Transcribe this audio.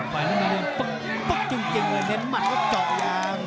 ปุ๊กจริงเลยเน้นมันก็เจาะอย่าง